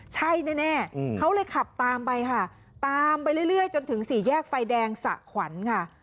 ใช่แน่เขาเลยขับตามไปค่ะตามไปเรื่อยจนถึงสี่แยกไฟแดงสะขวัญค่ะ